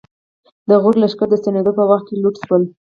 د غوري لښکرې د ستنېدو په وخت کې لوټ شول.